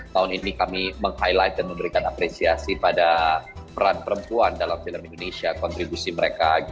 tahun ini kami meng highlight dan memberikan apresiasi pada peran perempuan dalam film indonesia kontribusi mereka